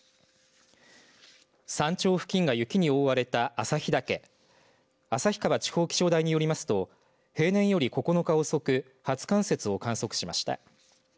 山頂付近が雪に覆われた旭岳旭川地方気象台によりますと平年より９日遅く初冠雪を観測しました。